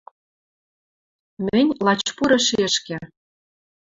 Мӹнь, лач пуры шешкӹ